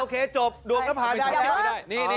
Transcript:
อ่าโอเคจบดวงนภาพไม่ได้